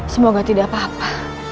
semoga tidak apa apa